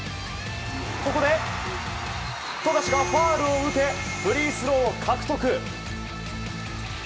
ここで、富樫がファウルを受けフリースロー獲得。